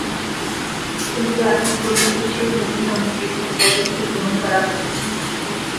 কিন্তু এখন পর্যন্ত সেই ঘোষণা অনুযায়ী কোনো পদক্ষেপ গ্রহণ করা হয়নি।